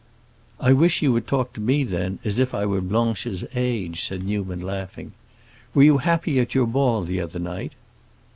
"I wish you would talk to me, then, as if I were Blanche's age," said Newman, laughing. "Were you happy at your ball the other night?"